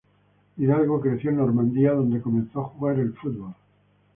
Hidalgo creció en Normandía, donde comenzó a jugar al fútbol.